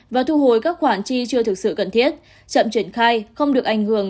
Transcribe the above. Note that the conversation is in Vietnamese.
và thu hồi các khoản chi chưa thực sự cần thiết chậm triển khai không được ảnh hưởng